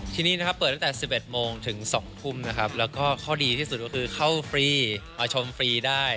ที่นี่นะครับเปิดตั้งแต่๑๑โมงถึง๒ทุ่มนะครับแล้วก็ข้อดีที่สุดก็คือเข้าฟรีมาชมฟรีได้